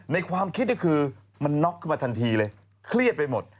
ในความคิดนี่คือมันน็อกขึ้นมาทันทีเลยเครียดไปหมด